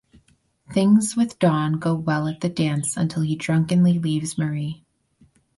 Things with Don go well at the dance until he drunkenly leaves Marie.